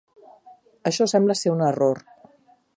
Això sembla ser un error.